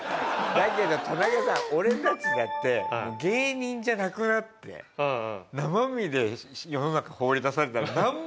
だけど田中さん俺たちだって芸人じゃなくなって生身で世の中に放り出されたらなんもないでしょ？